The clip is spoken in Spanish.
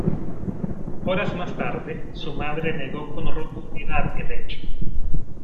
Horas más tarde su madre negó con rotundidad el hecho.